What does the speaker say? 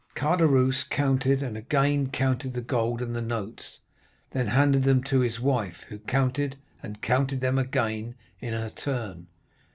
Caderousse counted and again counted the gold and the notes, then handed them to his wife, who counted and counted them again in her turn.